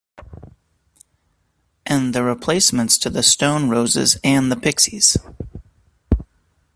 and The Replacements to The Stone Roses and the Pixies.